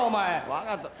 わかった。